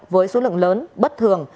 với số lượng lớn bất thường